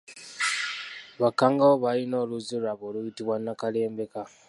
Bakkangaawo balina oluzzi lwabwe oluyitibwa Nakalembeka.